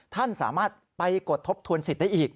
ท่านสามารถไปกดทบทวนสิทธิ์ได้อีก